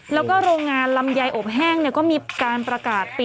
แล้วก็โรงงานลำไยอบแห้งก็มีการประกาศปิด